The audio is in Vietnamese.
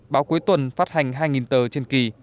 báo cuối tuần phát hành hai tờ trên kỳ